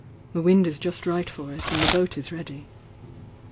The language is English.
The wuid u just right for it and the boat is ready."